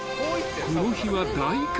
［この日は］